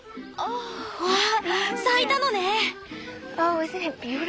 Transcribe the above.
わあ咲いたのね！